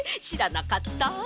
しらなかった。